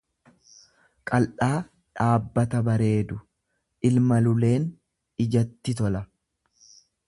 qal'aa dhaabbata bareedu; Ilma luleen ijattti tola.